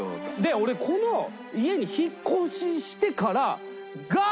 俺この家に引っ越ししてからガーッ！